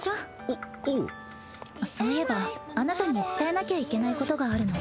あっそういえばあなたに伝えなきゃいけないことがあるの。